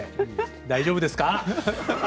大丈夫ですか？